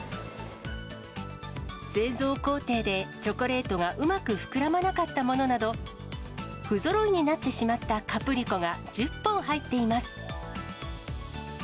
製造工程でチョコレートがうまく膨らまなかったものなど、ふぞろいになってしまったカプリコが１０本入っています。